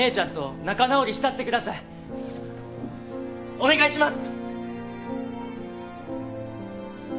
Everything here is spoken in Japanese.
お願いします！